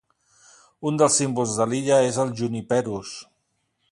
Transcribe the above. Un dels símbols de l'illa és el "juniperus".